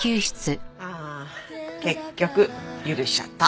ああ結局許しちゃった。